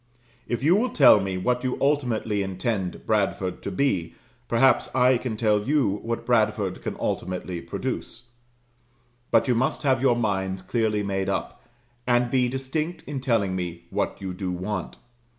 If you will tell me what you ultimately intend Bradford to be, perhaps I can tell you what Bradford can ultimately produce. But you must have your minds clearly made up, and be distinct in telling me what you do want.